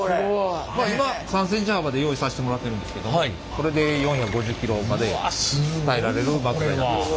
今３センチ幅で用意させてもらってるんですけどこれで４５０キロまで耐えられる膜になってます。